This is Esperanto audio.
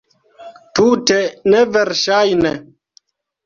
Tute neverŝajne!